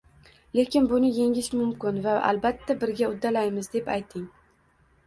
Lekin buni yengish mumkin, va albatta, birga uddalaymiz?” deb ayting.